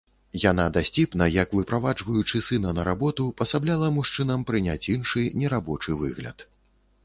Яна дасціпна, як выправаджваючы сына на работу, пасабляла мужчынам прыняць іншы, не рабочы выгляд.